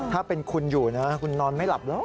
ถ้าเป็นคุณอยู่นะคุณนอนไม่หลับหรอก